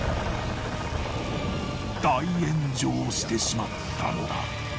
大炎上してしまったのだ。